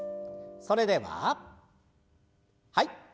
それでははい。